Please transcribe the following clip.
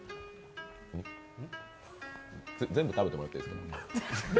全部食べてもらっていいですか。